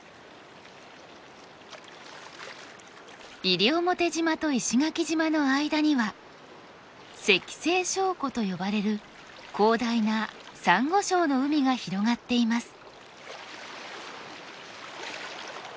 西表島と石垣島の間には石西礁湖と呼ばれる広大なサンゴ礁の海が広がっています。